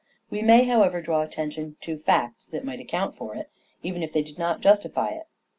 We may, however, draw attention to facts that might account for it, even if they did not justify it.